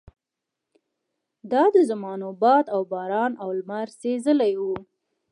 دا د زمانو باد او باران او لمر سېزلي وو.